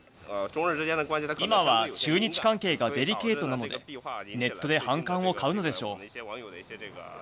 今は中日関係がデリケートなので、ネットで反感を買うのでしょう。